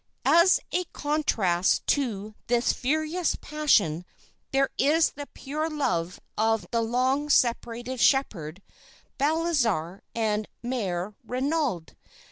"As a contrast to this furious passion there is the pure love of the long separated shepherd Balthazar and Mère Renaud.